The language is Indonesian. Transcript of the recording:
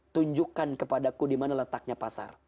tunjukkan kepadaku dimana letaknya pasar